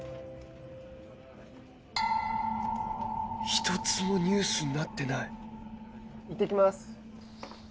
一つもニュースになってないいってきます。